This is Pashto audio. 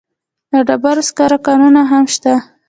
د ډبرو سکرو کانونه هم شته.